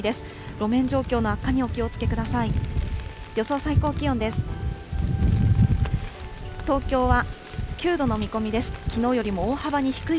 路面状況の悪化にお気をつけください。